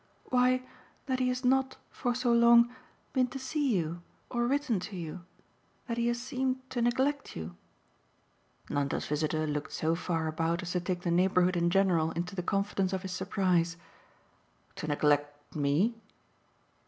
"Why, that he has not, for so long, been to see you or written to you. That he has seemed to neglect you." Nanda's visitor looked so far about as to take the neighbourhood in general into the confidence of his surprise. "To neglect ME?"